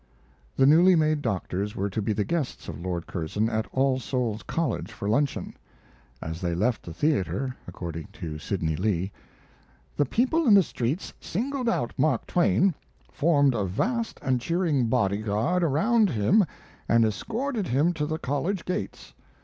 The newly made doctors were to be the guests of Lord Curzon at All Souls College for luncheon. As they left the theater (according to Sidney Lee): The people in the streets singled out Mark Twain, formed a vast and cheering body guard around him and escorted him to the college gates.